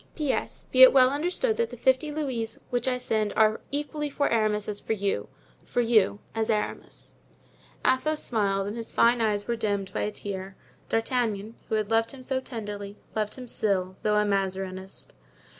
"P.S.—Be it well understood that the fifty louis which I send are equally for Aramis as for you—for you as Aramis." Athos smiled, and his fine eye was dimmed by a tear. D'Artagnan, who had loved him so tenderly, loved him still, although a Mazarinist.